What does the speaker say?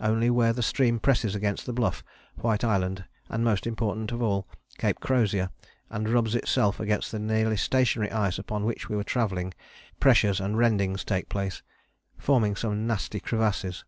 Only where the stream presses against the Bluff, White Island and, most important of all, Cape Crozier, and rubs itself against the nearly stationary ice upon which we were travelling, pressures and rendings take place, forming some nasty crevasses.